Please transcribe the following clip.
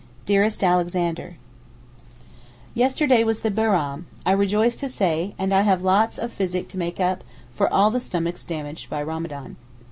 DEAREST ALEXANDER, Yesterday was the Bairam I rejoice to say and I have lots of physic to make up, for all the stomachs damaged by Ramadan.